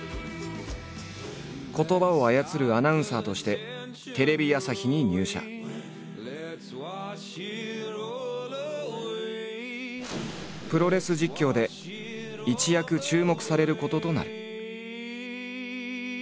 言葉を操るアナウンサーとしてプロレス実況で一躍注目されることとなる。